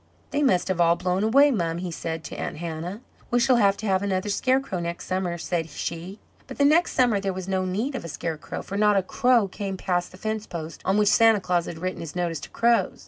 "They must have all blown away, mum," he said to Aunt Hannah. "We shall have to have another scarecrow next summer," said she. But the next summer there was no need of a scarecrow, for not a crow came past the fence post on which Santa Claus had written his notice to crows.